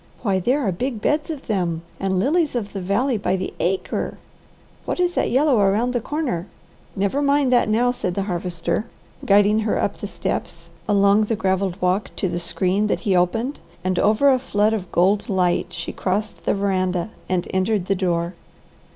Why there are big beds of them. And lilies of the valley by the acre! What is that yellow around the corner?" "Never mind that now," said the Harvester, guiding her up the steps, along the gravelled walk to the screen that he opened, and over a flood of gold light she crossed the veranda, and entered the door.